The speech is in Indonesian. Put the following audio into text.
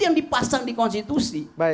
yang dipasang di konstitusi